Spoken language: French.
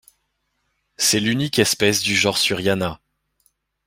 C'est l'unique espèce du genre Suriana.